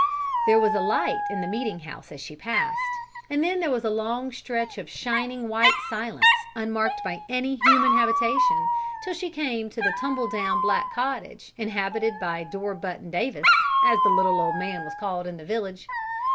There was a light in the meeting house as she passed, and then there was a long stretch of shining white silence unmarked by any human habitation till she came to the tumble down black cottage inhabited by "Door Button" Davis, as the little old man was called in the village.